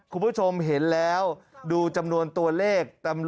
คุณผู้ชมเห็นแล้วดูจำนวนตัวเลข